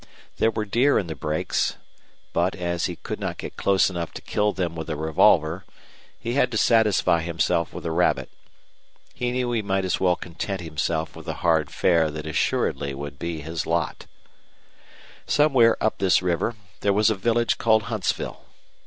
There were deer in the brakes; but, as he could not get close enough to kill them with a revolver, he had to satisfy himself with a rabbit. He knew he might as well content himself with the hard fare that assuredly would be his lot. Somewhere up this river there was a village called Huntsville.